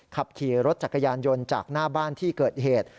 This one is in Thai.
ขับขี่รถจักรยานยนต์จากหน้าบ้านที่เกิดเหตุ